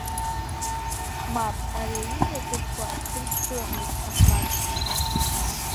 Мап, ари аҩыза аҭыԥқәа дрышьцыламызт Асмаҭ!